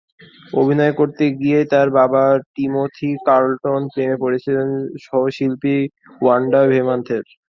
অভিনয় করতে গিয়েই তাঁর বাবা টিমোথি কার্লটন প্রেমে পড়েছিলেন সহশিল্পী ওয়ান্ডা ভেন্থামের।